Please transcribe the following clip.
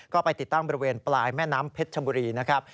ก็ไปติดตั้งบริเวณปลายแม่น้ำเพชรชบุรีนะครับ